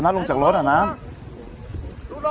ปรากฏว่าจังหวัดที่ลงจากรถ